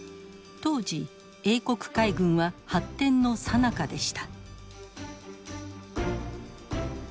当時英国海軍は発展のさなかでした。